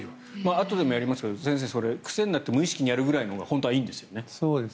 あとでもやりますが癖になって無意識にやるくらいのほうがそうですね。